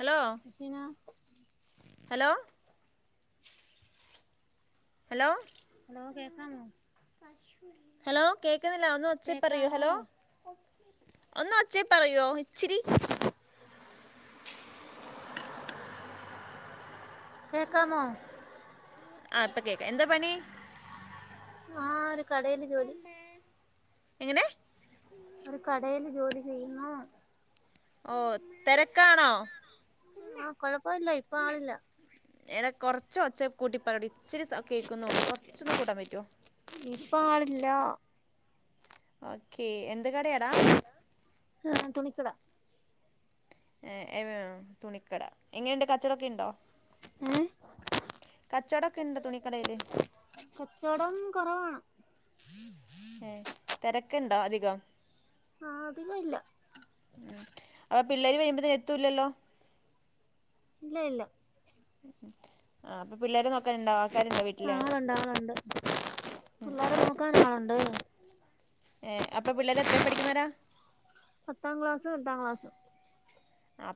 Hello Seena hello hello hello കേക്കാമേ hello കേക്കുന്നില്ല ഒന്ന് ഒച്ചേ പറയൂ കേക്കാമോ ഹലോ ഒന്ന് അച്ചേ പറയേ, ഇച്ചിരി. കേക്കാമോ ആ അപ്പൊ കേക്കാ. എന്താ.. പണി ആ ഒരു കടെല് ജോലി എങ്ങനെ? ഒരു കടെല് ജോലി ചെയ്യുന്നു ഓ തെരക്കാണോ? ആഹ കൊഴപ്പല്ല, ഇപ്പൊ, ആളില്ല. യനെ കൊറച്ച് ഒച്ചെ കൂട്ടി പറയടി ഇച്ചരി സ കേൾക്കുന്നുള്ളൂ കുറച്ചൊന്ന് കൂട്ടാൻ പറ്റോ? ഇപ്പൊ ആളില്ല ആ ഓക്കെ.. എൻ [unintelligible] തുണിക്കട ഏ ഏം തുണിക്കട ഇങ്ങനെയുണ്ട്. കച്ചേടൊക്കെ ഇണ്ടോ? ഏ കച്ചവടമൊക്കെ ഉണ്ടോ തുണിക്കടയിൽ കച്ചേടം കുറവാണ് എ തിരക്ക്ണ്ടോ അധികം ആഹ് അതികല്ല ഉം അപ്പൊ പിള്ളേര് വരുമ്പോത്തിൻ എത്തൂല്ലല്ലോ ഇല്ല ഇല്ല ആ അപ്പൊ പിള്ളേരെ നോക്കാനുണ്ടാ ആൾക്കാര്ണ്ടോ വീട്ടില് ആളുണ്ട് ആളുണ്ട് പിള്ളേരെ നോക്കാനാളുണ്ട് ഏ അപ്പൊ പിള്ളേര് എത്ര പഠിക്കുന്നേരാ? പത്താം ക്ലാസും എട്ടാം ക്ലാസും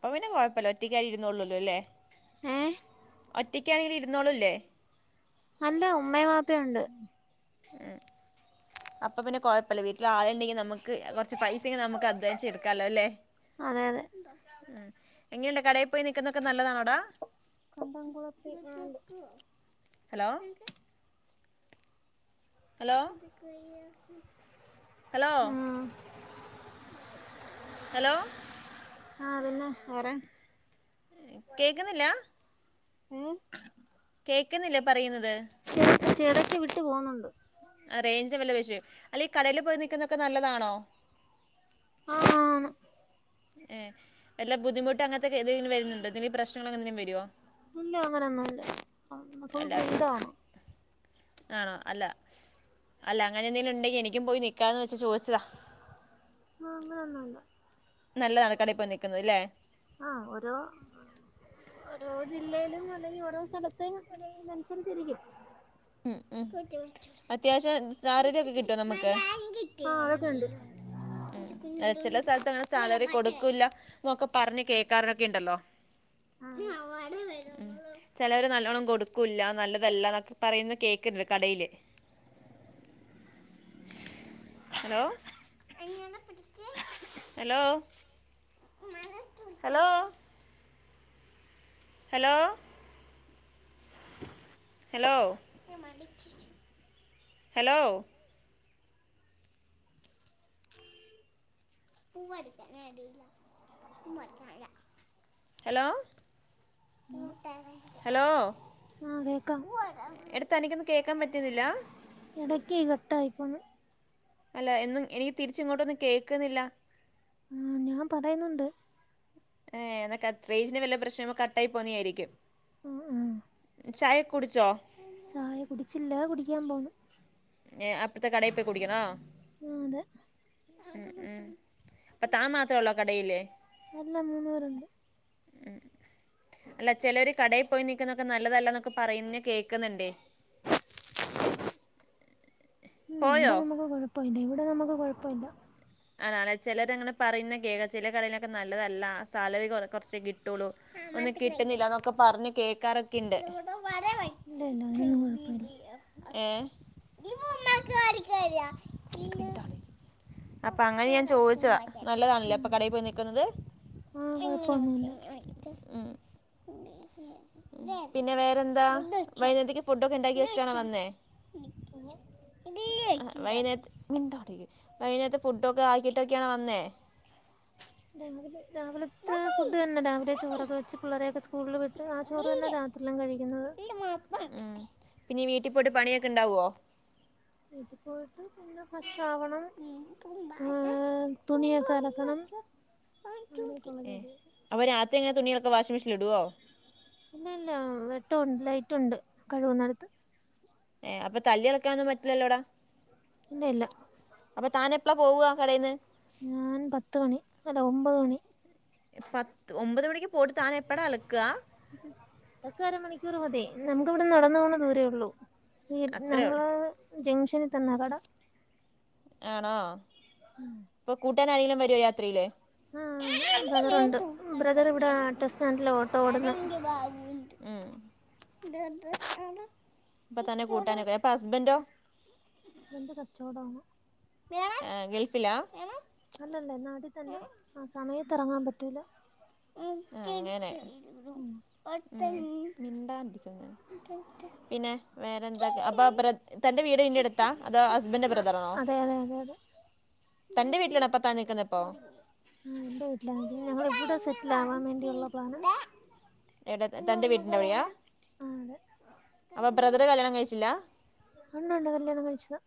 അപ്പൊ പിന്നെ കുഴപ്പല്ല ഒറ്റയ്ക്കായി ഇരുന്നേളുല്ലെ ല്ലോ ഏം ഒറ്റക്കാണെങ്കിൽ ഇരുന്നോളു, ല്ലേ? അല്ല ഉമ്മയും വാപ്പയുണ്ട് ഏ അപ്പൊ പിന്നെ കുയപ്പല്ല വീട്ടിൽ ആള്ണ്ടെങ്കിൽ നമുക്ക് കുറച്ച് പൈസെ നമുക്ക് അധ്വാനിച്ച് എടുക്കാലോ ല്ലേ. അതെ അതെ എങ്ങനെയുണ്ട് കടെ പോയി നിൽക്കുന്നതെക്കെ നല്ലതാണോടാ കണ്ടകുളത്തി ആണ്ട് ഹലോ ഹലോ... ഹലോ. ആ ആ പിന്നെ വേറെ കേക്കുന്നില്ലാ ഉം കേക്കുന്നില്ലേ പറയുന്നത് ചെറക്കെ വിട്ടു പോകുന്നുണ്ട് ആ റേഞ്ചെ വല്ല വിഷയം അല്ല ഈ കടയിലു പോയി നിക്കുന്നന്നൊക്കെ നല്ലതാണോ ആ ആ ആണു ഏ് വല്ല ബുദ്ധിമുട്ട് അങ്ങനെ യത്തെ എന്തെങ്കിലും വരുന്നുണ്ടോ എന്തെങ്കിലും പ്രശ്നങ്ങൾ എന്തെങ്കിലും വരുവോ ഇല്ല അങ്ങനെൊന്നുമില്ല ഫുൾ അല്ല ഫ്രീഡം ആണെ ആണോ അല്ല അല്ല അങ്ങനെ എന്തേലും ഉണ്ടെങ്കി എനിക്കും പോയി നിക്കാന്ന് വെച്ചെ ചോദിച്ചതാ ആ അങ്ങനൊന്നുമല്ല നല്ലതാണ് കടെപ്പോയി നിക് ആ ഓരോ ഓരോ ജില്ലയിലും അല്ലെങ്കിൽ ഓരോ സ്ഥലത്തെ അനുസരിച്ചിരിക്കും ഉം ഉ അത്യാവശ്യം സാരരി ഒക്കെ കിട്ടോ നമുക്ക് ആഹ് അതൊക്കെ ഉണ്ട് ഉം ചില സ്ഥലത്തോക്കെ സാലറി കൊടുക് ക്കൂല്ല എന്നൊക്കെ പറഞ്ഞു കേക്കാറൊക്കെ ഉണ്ടല്ലോ ആഹ് അതെ ഉം ചിലവരെ നല്ലോണ്ണം കൊടുക്കൂല്ല നല്ലതല്ലാ എന്നൊക്കെ പറയുന്ന കേക്കണ്ട് കടയില് hello hello hello hello hello hello [unintelligible] hello hello ആ കേക്കാം തനിക്കൊന്നും കേക്കാൻ പറ്റുന്നില്ല ഇടയ്ക്കെ കട്ടായി പോന്നു അല്ല എന്നും എനിക്ക് തിരിച്ചിങ്ങോട്ടൊന്നും കേക്കുന്നില്ല ആ ഞാൻ പറയുന്നുണ്ട് ഏ എന്നിട്ടാ റേഞ്ച് വല്ല പ്രശ്നം കട്ടായി പോന്നയാരിക്കും ആ ആ ഉ ചായൊക്കെ കുടിച്ചോ ച്ചോ ചായ കുടിച്ചില്ല കുടിക്കാൻ പോന്നു ഏ അപ്പറത്തെ കടെ പോയി കുടിക്കണോ ആഹ് അതെ ഉ ഉം അപ്പ താ മാത്രേ ഉള്ളോ കടെലെ അല്ല മൂന്നു പേരുണ്ട് അല്ല ചിലരെ കടെ പോയി നിക്കുന്നന്നൊക്കെ പോയി നല്ലതല്ലന്നൊക്കെ പറയുന്ന കേക്കുന്നുണ്ടേ ഇല്ല ഇവിടെ നമുക്ക് കൊഴപ്പമില്ല ഇവിടെ നമുക്ക് കൊഴപ്പമില്ല ആ ആണേ ചിലരങ്ങനെ പറയുന്ന കേക്കാം ചില കടയിലൊക്കെ നല്ലതല്ല സാലറി കു കുറച്ചേ കിട്ടുള്ളൂ ഒന്നും കിട്ടുന്നില്ല എന്നൊക്കെ പറഞ്ഞ് കേൾക്കാറൊക്കെ ഇണ്ട് ഇല്ല ഇല്ല അതിനൊന്നും കൊഴപ്പമില്ല നന്നരിക്ക പിന്ന [unintelligible] [unintelligible] അപ്പൊ അങ്ങനെയാൻ ചോദിച്ചതാ നല്ലതാണല്ലേ അപ്പം കടയിൽ പോയി നിക്കുന്നത്,? ആഹ് കൊഴപ്പൊന്നുല്ല ഉം പിന്നെ വേറെന്താ വൈകുന്നേരത്തേ ക്കെ ഫുഡൊക്കെ ഉണ്ടാക്കി വെച്ചിട്ടാണോ വന്നേ ഓ വൈകുന്നേ മിണ്ടാതിരി വൈകുന്നേരത്തെ ഫുഡൊക്കെ ആക്കിട്ടൊക്കെയാണോ വന്നേ രാവിലെ രാവിലത്തെ ഫുഡ് തന്നെ രാവിലെ ചോറൊക്കെ വെച്ച് പിള്ളേരെക്കെ സ്കൂളിൽ വിട്ട് ആ ചോറ് തന്നെ രാത്രില്ലും കഴിക്കുന്നത് ഉം. പിന്നെ ഈ വീട്ടി പോട്ട് പണിയൊക്കെണ്ടാവോ വീട്ടിൽ പോയിട്ട് പിന്നെ ഫ്രഷാവണം തുണിയൊക്കെ അലക്കണം അങ്ങനേക്കുള്ള ഏ ജോലി അപ്പോൾ രാത്രി എങ്ങനെ തുണികളൊക്കെ വാഷിംഗ് മെഷീനിൽ ഇടുവോ ഇല്ല ഇല്ല വെട്ടൊ ലൈറ്റുണ്ട് കഴിവുന്നിടുത്ത് ഏ അപ്പൊ തല്ലി ഇളക്കാനൊന്നും പറ്റില്ലല്ലോടാ ഇല്ല ഇല്ല അപ്പൊ താൻ എപ്പളാ പോവുവാ കടേന്ന് ഞാൻ പത്ത് മണി അല്ല ഒമ്പത് മണി പത്ത് ഒമ്പത് മണിക്ക് പോട്ട് താൻ എപ്പടാ അലക്കുക ഓക്ക അരമണിക്കൂറ്മതി നമുക്കിവിടെ നടന്ന പോണ ദൂരേ ഉള്ളൂ അത്രേ ഉള്ളൂ ഞങ്ങള് ജംഗ്ഷൽ തന്ന കട ആണോ ഉം ട്ടാന് ആരെങ്കിലും വരോ യാത്രീല് ആ ബ്രദറുണ്ട് ബ്രദർ ഇവിടെ ഓട്ടോ സ്റ്റാൻഡില് ഓട്ടോ ഓടുന്ന് ഉം അപ്പൊ തന്നെ കൂട്ടാനൊക്ക അപ്പൊ ഹസ്ബൻന്റോ ഹസ്ബൻഡ് കച്ചോടാണ് ഏ ഗൾ അല്ലല്ല നാട്ടിതന്ന ആ സമയത്തിറങ്ങാൻ പറ്റൂല ഉം അങ്ങനെ പിന്നെ വേറെന്ത അപ്പൊ ബ്രദ് തന്റെ വീട് ഇന്റെടുത്താ അതോ ഹസ്ബൻന്റെ ആ, ബ്രദറാണോ അതെ അതെ അതെ അതെ തന്റെ വീട്ടിലുള്ള അപ്പം ആ എന്റെ വീട്ടിലാ ഞങ്ങളിവിട സെറ്റിലാവാൻ വേണ്ടിയുള്ള പ്ലാനാ ഏടെ തന്റെ വീട്ടിന്റെവിടെയാ ആ അതെ അപ്പൊ ബ്രദറ് കല്യാണം കഴിച്ചില്ല ഉണ്ട്ണ്ട് കല്യാണം കഴിച്ചതാ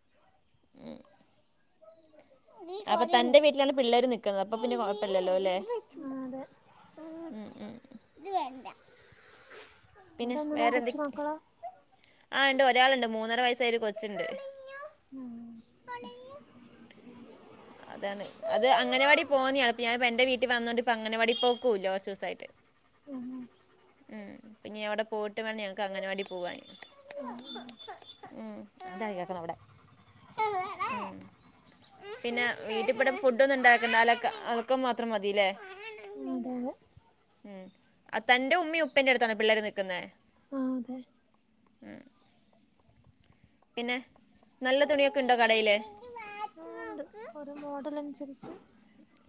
[unintelligible] [unintelligible] അപ്പൊ തന്റെ വീട്ടിലാണ് പിള്ളേര് നിക്കുന്നത് അപ്പൊ പിന്നെ കൊഴപ്പില്ലല്ലോ അല്ലെ ആ അതെ [unintelligible] പിന്നെ ഇവിടെ എങ്ങനെ വേറെ കൊച്ചു എന്തക്കെ മക്കളോ ആ ഇണ്ട് ഒരാളുണ്ട്. മൂന്നര വയസ്സായ ഒരു കൊച്ചുണ്ട്. അതാണ് അത് അങ്ങനവാടി പോകുന്നേയാ ഇപ് യാ ഞാൻ എന്റെ വീട്ടിൽ വന്നോണ്ട് ഇപ്പഅങ്ങനവാടി പോക്കൂല്ല കുറച്ചൂസായിട്ട്. [unintelligible] പിന്നെ അവിടെ പോയിട്ട് വേണം ഞങ്ങൾക്ക് അങ്ങനവാടി പോവാൻ. [unintelligible] പിന്നെ വീട്ടിപ്പടം ഫുഡൊന്നും ഉണ്ടാക്കണ്ടല്ലേ. അലക്ക് അലക്കം മാത്രം മതില്ലേ. ആ അതെ അതെ ആ തന്റെ ഉമ്മേം ഉപ്പേന്റെ അടുത്താണ പിള്ളേർ നൽക്കുന്നേ? ആ അതെ [unintelligible] പിന്നെ നല്ല തുണിയൊക്കെ ഉണ്ടോ കടയില്? ആ ഉണ്ട്. ഓരോ മോഡൽ അനുസരിച്ച്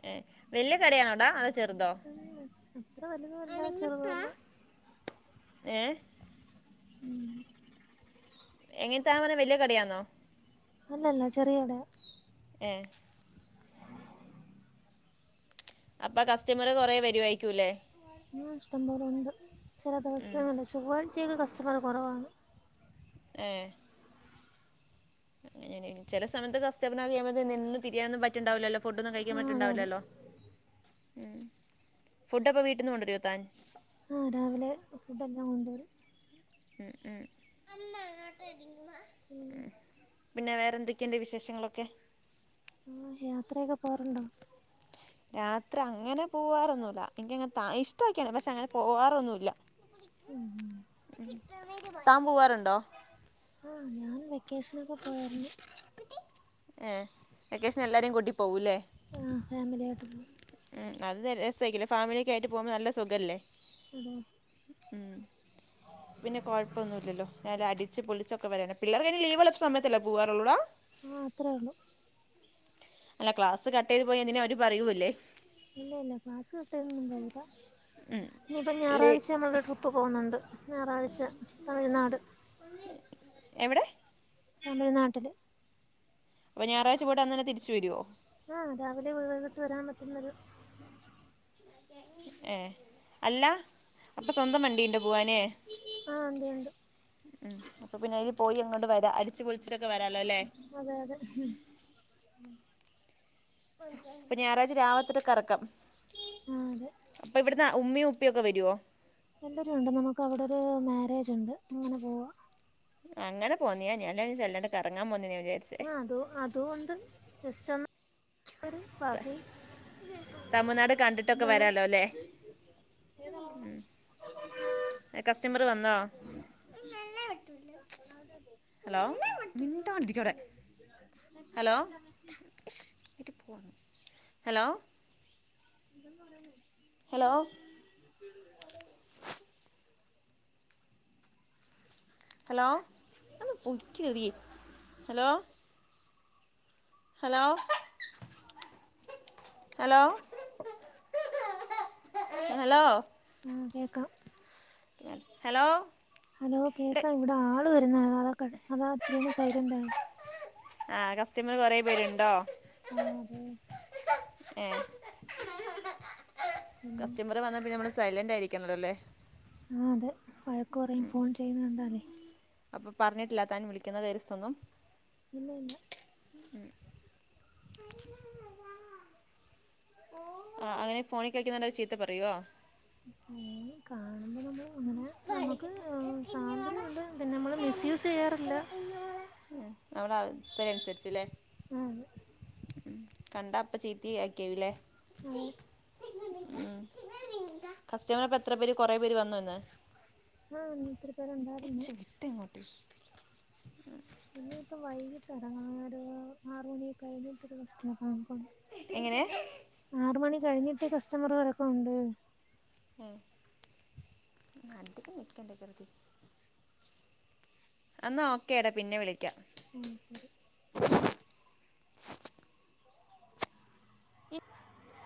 ഏ വല്യ കടയാണോടാ അതോ ചെറുതോ? ഉം, അത്ര വലുതുമല്ല ചെറുതുമല്ല ഏ എങ്ങനെത്ത പറയനേ വല്യ കടയാന്നോ? അല്ലല്ല ചെറിയ കടയാ. ഏ [unintelligible] അപ്പൊ കസ്റ്റമറ് കൊറേ വരുവായിരിക്കൂല്ലേ? ആഹ് ഇഷ്ടംപോലുണ്ട് ചില ദിവസങ്ങളില് ചൊവ്വാഴ്ചയൊക്കെ കസ്റ്റമറ് കുറവാണ്. ഏഹ് [unintelligible] [unintelligible] ചില സമയത്ത് കസ്റ്റമറ് അധികവുമ്പോ നിന്ന് തിരിയാനൊന്നും പറ്റണ്ടാവില്ലല്ലോ. ഫുഡൊന്നും കഴിക്കാൻ ആ അതെ അതെ പറ്റണ്ടാവില്ലല്ലോ. ഫുഡ് അപ്പ വീട്ടിന്ന് കൊണ്ടുവരൊ താൻ? ആ രാവിലെ ഫുഡ് എല്ലാം കൊണ്ടുവരും. [unintelligible] [unintelligible] എന്തൊക്കെണ്ട് വിശേഷങ്ങളൊക്കെ? ആ യാത്രയൊക്കെ പോകാറുണ്ടോ? യാത്ര അങ്ങനെ പോവാറൊന്നുമില്ല എനിക്കങ്ങനെ ത ഇഷ്ടക്കെയാണ് പക്ഷെ അങ്ങനെ പോവാറൊന്നുമില്ല. [unintelligible] താൻ പോവാറു ആഹ് ഞാൻ വെക്കേഷനൊക്കെ പോയേയിരുന്നു. ഏഹ് വെക്കേഷന് എല്ലാരേം കൂട്ടി പോകൂല്ലേ ആഹ് ഫാമിലി ആയിട്ട് പോവും. ഉം അത് രസായിരിക്കൂല്ലേ. ഫാമിലിയൊക്കെ ആയിട്ട് പോകുമ്പോ നല്ല സുഖാലെ. ഉം പിന്നെ കൊഴപ്പൊന്നുമില്ലല്ലോ [unintelligible] അടിച്ച് പൊളിച്ചൊ [unintelligible] പിള്ളേർക് ലീവ് ഉള്ളപ്പ സമയത്തല്ലെ പോവാറുള്ളൂടാ? ആഹ് അത്രേ ഉള്ളു. അല്ല ക്ലാസ് കട്ട് ചെയ്തു പോയ എന്തെങ്കിലും അവര് പറയൂല്ലേ. ഇല്ല ഇല്ല ക്ലാസ് കട്ട്ചെയ്തൊന്നും പോകില്ല. ഉം ഇനിയിപ്പം ലേ ഞായറാഴ്ച നമ്മള് ഒരു ട്രിപ്പ് പോകുന്നുണ്ട്. ഞായറാഴ്ച തമിഴ്നാട് എവിടെ? തമിഴ്നാട്ടില്. അപ്പ ഞായറാഴ്ച പൊയിട്ട് അന്നനെ തിരിച്ചുവരോ? ആഹ് രാവിലെ പോയി വൈകിട്ട് വരാൻ പറ്റുന്നൊരു ഏഹ് അല്ല അപ്പൊ സ്വന്തം വണ്ടീണ്ട പോവാന് ആ ഉണ്ട് ഉണ്ട് ഉം അപൊ പിന്നെ അതിന് പോയി അങ്ങോട്ട് വരാ അടിച്ച് പൊളിച്ച് അതെ അതെ അപ്പൊ ഞായറാഴ്ച രാവിലത്തൊട്ട് കറക്കം ആ അതെ അപ്പൊ ഇവിടന്ന് ഉമ്മയും ഉപ്പിയൊക്കെ വരുവോ എല്ലരും ഉണ്ട് നമുക്ക് അവിടെരു മാരേജ് ഉണ്ട് അങ്ങനെ പോവാ അങ്ങനെ പോന്നിയാ ഞാൻ വിജാരിച് എല്ലാരും കറങ്ങാൻ പോന്ന ആഹ് അത് അതുണ്ട് ജസ്റ്റ് ഒന്ന് ത- [unintelligible] തമിഴ്നാട് കണ്ടിട്ടൊക്കെ എന്താണ് വരാലോല്ലേ ഉം customer വന്നൊ [unintelligible] hello [unintelligible] hello [unintelligible] hello hello [unintelligible] hello hello hello hello ആ കേക്കാം ഹലോ ഹലോ എടെ കേക്കാ ഇവിടെ ആള് വരുന്ന അതാ കട്ട് അതാ അത്രയാണ് സൈലന്റ് ആയ ആഹ് കസ്റ്റമർ കൊറെ പേരുണ്ടോ ആഹ് അതെ ഏഹ് പിന്നെ കസ്റ്റമർ വന്നാ പിന്നെ നമ്മള് സൈലന്റ് ആയിരിക്കുന്നുല്ലോ അല്ലേ ആ അതെ വഴക്കു പറയും. ഫോൺ ചെയ്യുന്ന കണ്ടാലേ. അ പറഞ്ഞിട്ടില്ല താൻ വിളിക്കുന്ന കാര്യന്നും ഇല്ല ഇല്ല [inaudible] ആഹ് അങ്ങനെ ഫോണിൽ കളിക്കണ കണ്ട ചീത്ത പറയുവോ ഉം കാണുമ്പോ നമ്മള് അങ്ങനെ നമുക്ക് സ്വാതന്ത്യമുണ്ട് പിന്നെ നമ്മള് മിസ്സ്യൂസ് ചെയ്യാറില്ല. നമ്മള അവസ്ഥക്ക് അനുസരിച്ചല്ലേ. ആ അതെ കണ്ട അപ്പ ചീത്തി ആക്കിയവല്ലേ അതെ ഉം കസ്റ്റമർ അപ്പൊ എത്ര പേര് കൊറെ പേര് വന്നോ ഇന്ന് ആഹ് ഒത്തിരി പേര് ഒണ്ടായിരുന്നു വിട്ടെങ്ങോട്ട് എന്നന്നെ ഇപ്പം വൈകിട്ട് ഇറങ്ങ ഒരു ആറ മണിയൊക്കെ കഴിഞ്ഞിട്ടരു വസ്തു നോക്ക എങ്ങനെ [unintelligible] ആറ് മണി കഴിഞ്ഞിട്ട് കസ്റ്റമർ ഉറക്കമുണ്ട് [unintelligible] എന്നാ ഓക്കേ എടാ പിന്നെ വിളിച്ച [unintelligible]